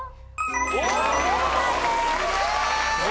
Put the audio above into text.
正解です！